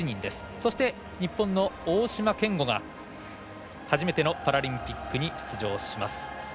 そして、日本の大島健吾が初めてのパラリンピックに出場します。